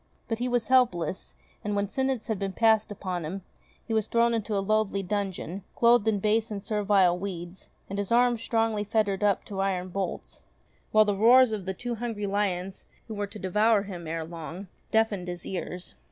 But he was helpless, and when sentence had been passed upon him, he was thrown into a loathly dungeon, clothed in base and servile weeds, and his arms strongly fettered up to iron bolts, while the roars of the two ST. GEORGE OF MERRIE ENGLAND 9 hungry lions who were to devour him ere long, deafened his ears.